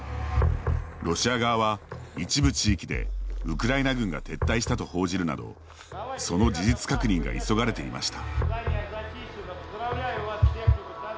ロシア側は一部地域でウクライナ軍が撤退したと報じるなどその事実確認が急がれていました。